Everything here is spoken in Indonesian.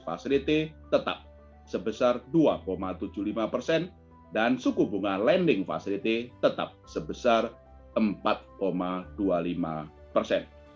facility tetap sebesar dua tujuh puluh lima persen dan suku bunga lending facility tetap sebesar empat dua puluh lima persen